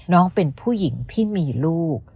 น้องเป็นผู้หญิงที่มีลูก